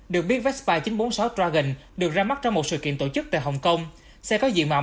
được biết vespa chín trăm bốn mươi sáu dragon được ra mắt trong một sự kiện tổ chức tại hồng kông xe có dịu màu